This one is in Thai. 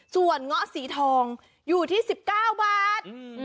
ส่วนเงาะสีทองอยู่ที่๑๙บาท